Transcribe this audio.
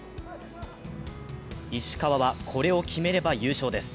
石川は、これを決めれば優勝です。